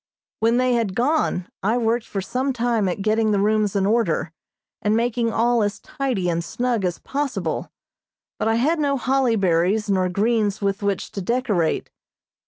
When they had gone I worked for some time at getting the rooms in order, and making all as tidy and snug as possible, but I had no holly berries nor greens with which to decorate.